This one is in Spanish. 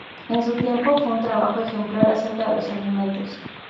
En su tiempo, fue un trabajo ejemplar acerca de los alimentos.